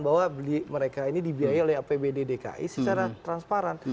bahwa mereka ini dibiayai oleh apbd dki secara transparan